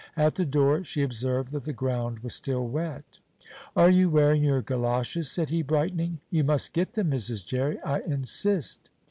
At the door she observed that the ground was still wet. "Are you wearing your goloshes?" said he, brightening. "You must get them, Mrs. Jerry; I insist."